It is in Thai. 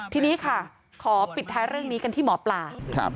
ทีนี้ค่ะขอปิดท้ายเรื่องนี้กันที่หมอปลา